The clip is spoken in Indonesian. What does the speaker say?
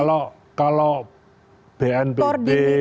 ya kalau bnpb basarnas